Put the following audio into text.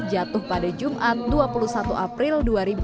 jatuh pada jumat dua puluh satu april dua ribu dua puluh